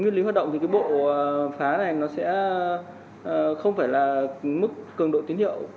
nguyên lý hoạt động thì cái bộ phá này nó sẽ không phải là mức cường độ tín hiệu